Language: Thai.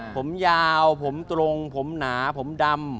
ผมยาวผมตรงผมหนาผมดำ